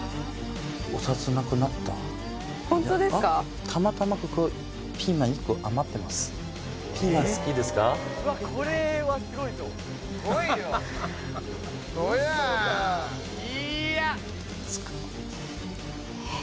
たまたまここピーマン１個余ってますえっ？